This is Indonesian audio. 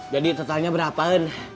jadi totalnya berapa en